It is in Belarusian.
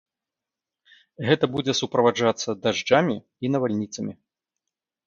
Гэта будзе суправаджацца дажджамі і навальніцамі.